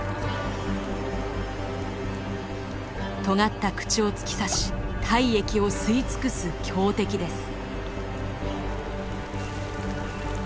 とがった口を突き刺し体液を吸い尽くす強敵です。